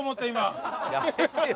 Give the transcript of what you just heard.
やめてよ。